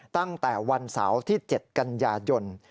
ตั้งแต่วันเสาร์ที่๗กันยายน